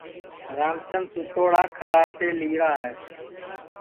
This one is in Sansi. رام چند سُوتوڑا کھرڑاٹے لیرا ہے